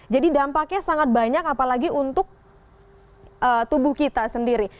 jadi dampaknya sangat banyak apalagi untuk tubuh kita sendiri